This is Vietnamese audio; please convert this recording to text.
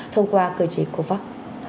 thông qua cơ chế của pháp